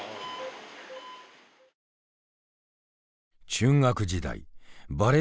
中学時代バレー